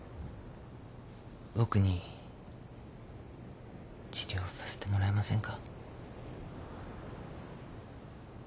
僕に治療させてもらえませんか？